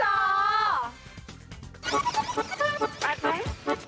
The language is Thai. ไป